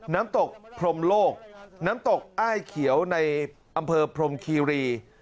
น้ำตกพรมโลกน้ำตกอ้ายเขียวในอำเภอพรมคีรี